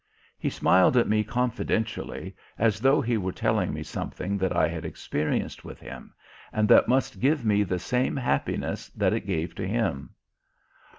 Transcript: He smiled at me confidentially as though he were telling me something that I had experienced with him and that must give me the same happiness that it gave to him.